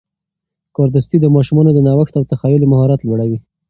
کاردستي د ماشومانو د نوښت او تخیل مهارت لوړوي.